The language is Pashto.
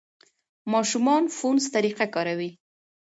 ماشومان فونس طریقه کاروي.